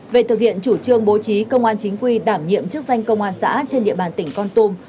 về thực hiện chủ trương bố trí công an chính quy đảm nhiệm chức danh công an xã trên địa bàn tỉnh con tum